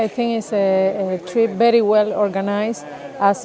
tôi nghĩ chuyến đi rất tốt